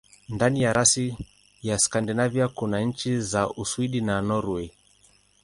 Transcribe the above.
Ndani ya rasi ya Skandinavia kuna nchi za Uswidi na Norwei.